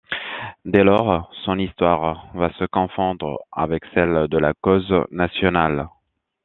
Dès lors, son histoire va se confondre avec celle de la cause nationale.